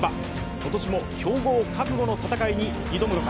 今年も競合覚悟の戦いに挑むのか。